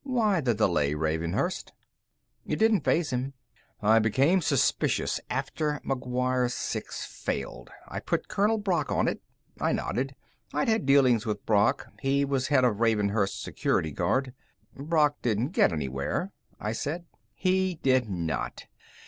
Why the delay, Ravenhurst?" It didn't faze him. "I became suspicious after McGuire 6 failed. I put Colonel Brock on it." I nodded. I'd had dealings with Brock. He was head of Ravenhurst's Security Guard. "Brock didn't get anywhere," I said. "He did not.